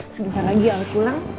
sebentar lagi al pulang